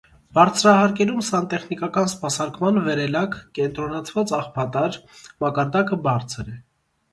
Բարձրահարկերում սանտեխնիկական սպասարկման (վերելակ, կենտրոնացված աղբատար) մակարդակը բարձր է։